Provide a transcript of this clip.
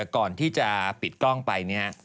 ก่อนที่จะปิดกล้องไปเนี่ย